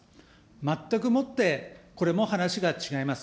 全くもってこれも話が違います。